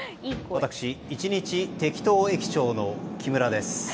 私、１日てきと駅長の木村です。